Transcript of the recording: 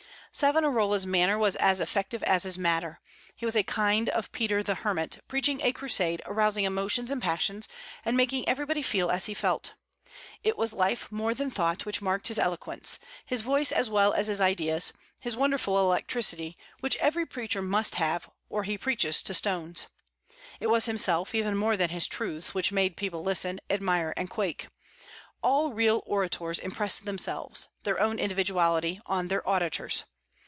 Savonarola's manner was as effective as his matter. He was a kind of Peter the Hermit, preaching a crusade, arousing emotions and passions, and making everybody feel as he felt. It was life more than thought which marked his eloquence, his voice as well as his ideas, his wonderful electricity, which every preacher must have, or he preaches to stones. It was himself, even more than his truths, which made people listen, admire, and quake. All real orators impress themselves their own individuality on their auditors.